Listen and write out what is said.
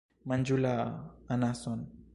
Manĝu la... anason.